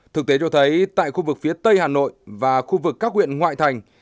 thực tế cho thấy tại khu vực phía tây hà nội và khu vực các huyện ngoại thành